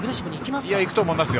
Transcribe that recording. いくと思いますよ。